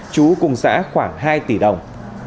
chú cùng giã khoảng hai tỷ đồng